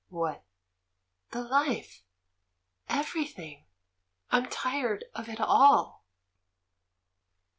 "What?" "The hfe — everything! I'm tired of it all."